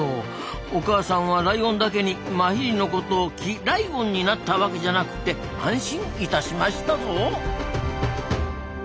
お母さんはライオンだけにマヒリのことをキライオンになったわけじゃなくて安心いたしましたぞ。